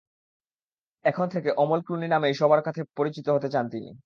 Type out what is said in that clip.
এখন থেকে Amal Clooney নামেই সবার কাছে পরিচিত হতে চান তিনি।